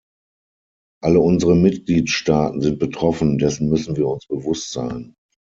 Alle unsere Mitgliedstaaten sind betroffen, dessen müssen wir uns bewusst sein.